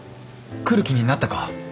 来る気になったか。